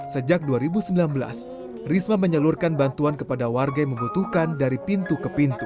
sejak dua ribu sembilan belas risma menyalurkan bantuan kepada warga yang membutuhkan dari pintu ke pintu